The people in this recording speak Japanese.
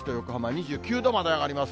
２９度まで上がります。